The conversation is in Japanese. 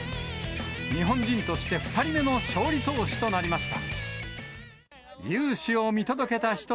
日本人として２人目の勝利投手となりました。